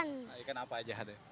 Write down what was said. nah ikan apa aja